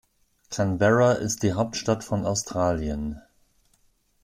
Canberra ist die Hauptstadt von Australien.